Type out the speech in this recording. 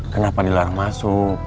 kenapa dilarang masuk